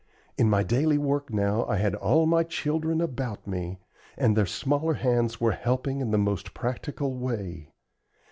In my daily work now I had all my children about me, and their smaller hands were helping in the most practical way.